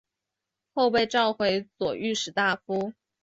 后被召回为左御史大夫。